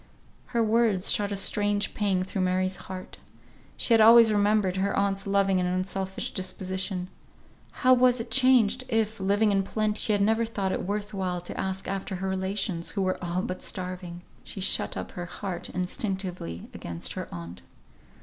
Her words shot a strange pang through Mary's heart. She had always remembered her aunt's loving and unselfish disposition; how was it changed, if, living in plenty, she had never thought it worth while to ask after her relations, who were all but starving! She shut up her heart instinctively against her aunt.